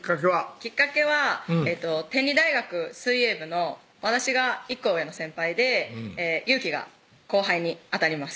きっかけは天理大学水泳部の私が１個上の先輩でゆーきが後輩に当たります